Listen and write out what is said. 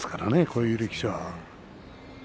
こういう力士は。